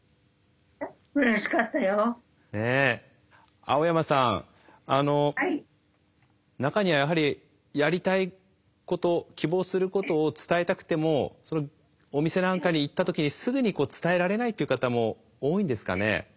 青山さん中にはやはりやりたいこと希望することを伝えたくてもお店なんかに行った時にすぐに伝えられないっていう方も多いんですかね？